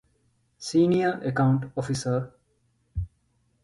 ސީނިއަރ އެކައުންޓް އޮފިސަރ